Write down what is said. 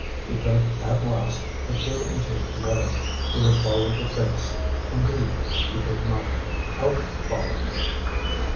He could, at last, put two and two together. He would follow the Face indeed, he could not help following it.